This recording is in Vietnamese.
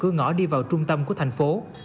cửa ngõ đi vào trung tâm của thành phố